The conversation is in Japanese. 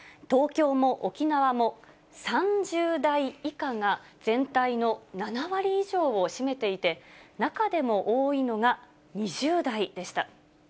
東京も沖縄も、３０代以下が全体の７割以上を占めていて、中でも多いのが２０代でした。